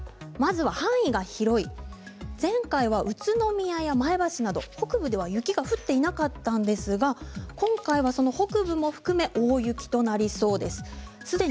まず範囲が広い前回は宇都宮や前橋など北部では雪が降っていなかったんですが今回は北部も含めて大雪となりそうです。